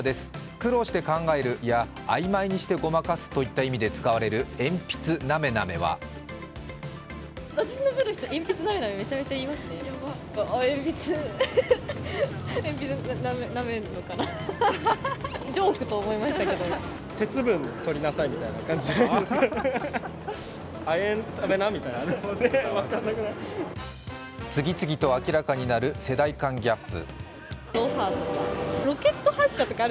苦労して考えるや曖昧にしてごまかすといった意味で使われる鉛筆なめなめは次々と明らかになる世代間ギャップ。